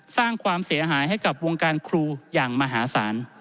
สร้างความเสียหายให้กับวงการครูอย่างมหาศาล